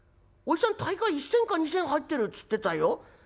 おじさん大概１銭か２銭入ってるっつってたよ。